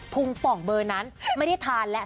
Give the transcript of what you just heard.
ุงป่องเบอร์นั้นไม่ได้ทานแล้ว